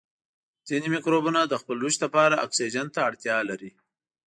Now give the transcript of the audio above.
ځینې مکروبونه د خپل رشد لپاره اکسیجن ته اړتیا لري.